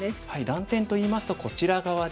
断点といいますとこちら側ですね。